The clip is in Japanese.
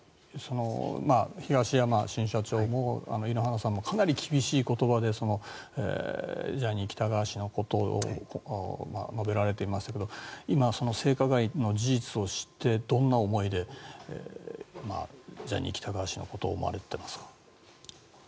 東山新社長も井ノ原さんもかなり厳しい言葉でジャニー喜多川氏のことを述べられていましたけど今、性加害の事実を知ってどんな思いでジャニー喜多川氏のことを思われていますか？